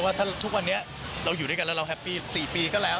ว่าถ้าทุกวันนี้เราอยู่ด้วยกันแล้วเราแฮปปี้๔ปีก็แล้ว